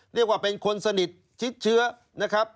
เรียกว่าเป็นคนสนิทชิดเชื้อนะครับ